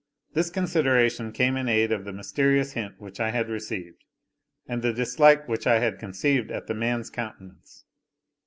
This consideration came in aid of the mysterious hint which I had received, and the dislike which I had conceived at the man's countenance.